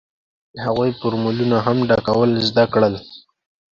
هغوی فورمونه هم ډکول زده کړل.